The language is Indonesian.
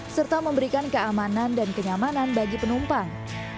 serta memberikan keamanan dan kenyamanan bagi penumpang